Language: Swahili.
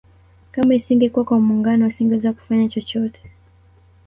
Kama isingekuwa kwa muungano wasingeweza kufanya chochote